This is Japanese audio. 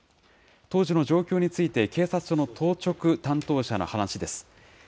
当時の状況について警察署の当直担当者の話です。